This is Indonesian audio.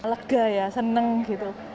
lega ya seneng gitu